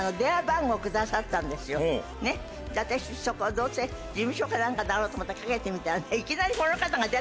どうせ事務所か何かだろうと思ってかけてみたら。